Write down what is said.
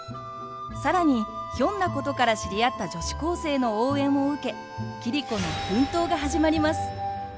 更にひょんなことから知り合った女子高生の応援を受け桐子の奮闘が始まります。